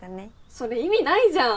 それ意味ないじゃん